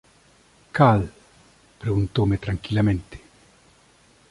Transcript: Cal? −preguntoume tranquilamente.